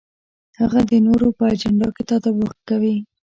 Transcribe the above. هغه د نورو په اجنډا کې تطابق کوي.